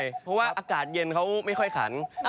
เพราะว่าอากาศเย็นเขาไม่ค่อยขัน